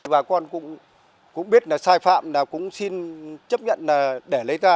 bà con cũng biết là sai phạm là cũng xin chấp nhận để lấy ra